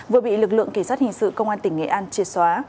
vừa bị lực lượng kỳ sát hình sự công an tỉnh nghệ an triệt xóa